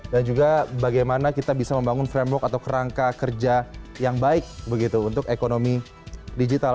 dan juga bagaimana kita bisa membangun framework atau kerangka kerja yang baik begitu untuk ekonomi digital